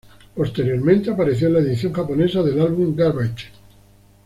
Posteriormente apareció en la edición japonesa del álbum "Garbage".